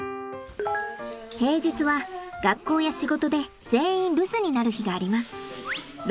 平日は学校や仕事で全員留守になる日があります。